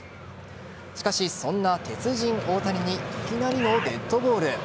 しかし、そんな鉄人・大谷にいきなりのデッドボール。